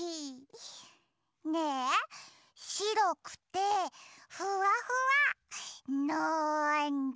ねえしろくてふわふわなんだ？